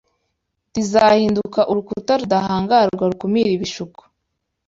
rizahinduka urukuta rudahangarwa rukumira ibishuko